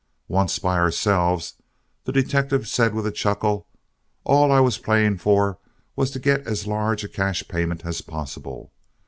Once by ourselves, the detective said, with a chuckle: "All I was playing for was to get as large a cash payment as possible.